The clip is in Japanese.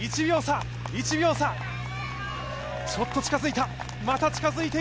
１秒差、ちょっと近づいた。